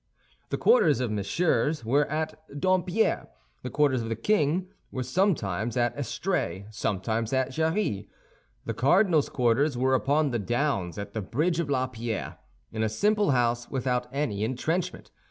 The quarters of Monsieur were at Dompierre; the quarters of the king were sometimes at Estrée, sometimes at Jarrie; the cardinal's quarters were upon the downs, at the bridge of La Pierre, in a simple house without any entrenchment.